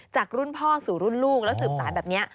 จากรุ่นพ่อสู่รุ่นลูกแล้วสืบสารแบบนี้